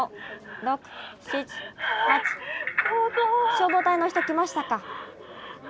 ・☎消防隊の人来ましたか？